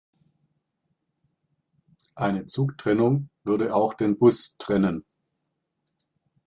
Eine Zugtrennung würde auch den Bus trennen.